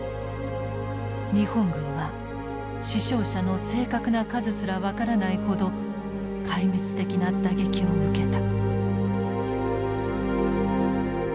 日本軍は死傷者の正確な数すら分からないほど壊滅的な打撃を受けた。